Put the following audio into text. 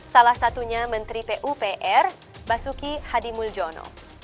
salah satunya menteri pupr basuki hadimul jono